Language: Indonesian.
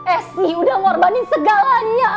esi udah ngorbanin segalanya